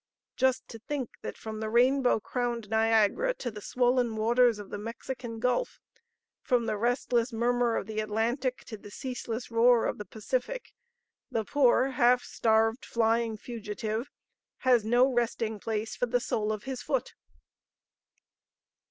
Just to think that from the rainbow crowned Niagara to the swollen waters of the Mexican Gulf, from the restless murmur of the Atlantic to the ceaseless roar of the Pacific, the poor, half starved, flying fugitive has no resting place for the sole of his foot!"